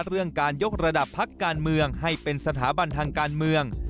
เรื่องการยกระดับพักการเมืองให้เป็นสถาบันทางการเมือง